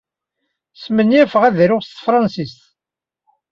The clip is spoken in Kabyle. Smenyafeɣ ad aruɣ s tefṛensist.